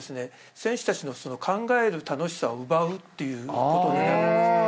選手たちの考える楽しさを奪うっていうことになるんです。